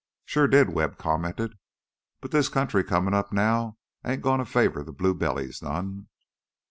"Sure did," Webb commented. "But this country comin' up now ain't gonna favor the blue bellies none."